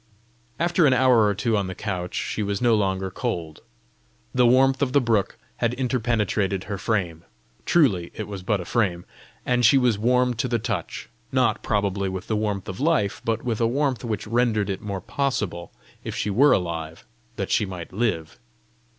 After an hour or two on the couch, she was no longer cold. The warmth of the brook had interpenetrated her frame truly it was but a frame! and she was warm to the touch; not, probably, with the warmth of life, but with a warmth which rendered it more possible, if she were alive, that she might live.